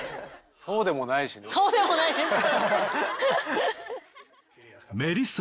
そうでもないですよね。